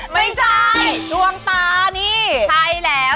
ไม่ใช่ดวงตานี่ใช่แล้ว